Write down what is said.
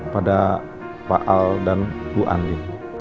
pada pak al dan bu andi